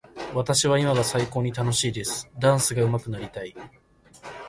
私は今が最高に楽しいです。ダンスがうまくなりたい。